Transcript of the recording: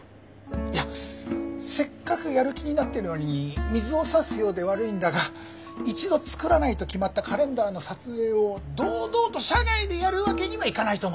いやせっかくやる気になってるのに水をさすようで悪いんだが一度作らないと決まったカレンダーの撮影を堂々と社外でやるわけにはいかないと思うんだよ。